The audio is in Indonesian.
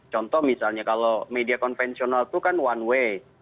contoh misalnya kalau media konvensional itu kan one way